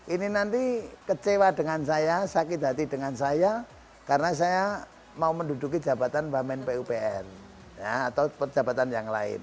ini nanti kecewa dengan saya sakit hati dengan saya karena saya mau menduduki jabatan wamen pupr atau perjabatan yang lain